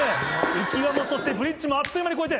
浮輪もそしてブリッジもあっという間に越えて。